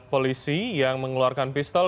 polisi yang mengeluarkan pistol